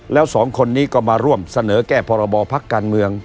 แล้วสองคนนี้ก็มาร่วมเสนอแก้พรบพักการเมือง